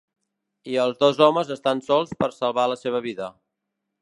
I els dos homes estan sols per salvar la seva vida.